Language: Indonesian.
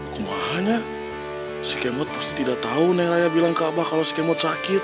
kebahanya si kemot pasti tidak tahu neng raya bilang ke abah kalau si kemot sakit